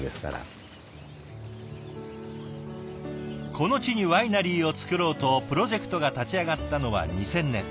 この地にワイナリーを作ろうとプロジェクトが立ち上がったのは２０００年。